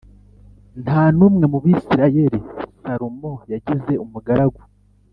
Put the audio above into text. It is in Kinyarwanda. Nta n umwe mu Bisirayeli Salomo yagize umugaragu